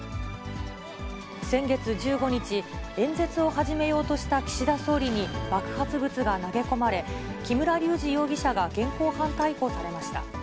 先月１５日、演説を始めようとした岸田総理に爆発物が投げ込まれ、木村隆二容疑者が現行犯逮捕されました。